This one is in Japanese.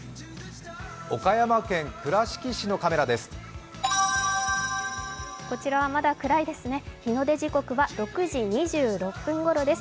岡山県倉敷市のカメラです。